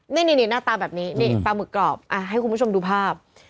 นี่หน้าตาแบบนี้นี่ปลาหมึกกรอบให้คุณผู้ชมดูภาพ